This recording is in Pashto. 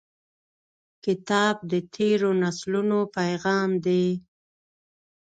کتاب د تیرو نسلونو پیغام دی.